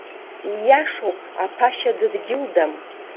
Ииашоуп, аԥашьа дыдгьылдам.